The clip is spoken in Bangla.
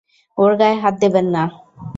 ওর গায়ে হাত দেবেন না!